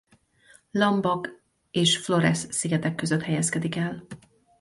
Lombok és Flores szigetek között helyezkedik el.